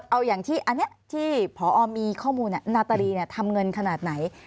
เอาอย่างที่อันนี้ที่พอมีข้อมูลนาตรีทำเงินขนาดไหน